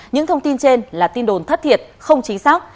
những thông tin trên là tin đồn thất thiệt không chính xác